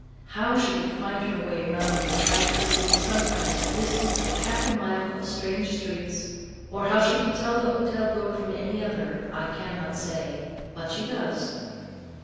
How she can find her way round with accuracy, sometimes a distance of half a mile of strange streets, or how she can tell the hotel door from any other, I cannot say; but she does.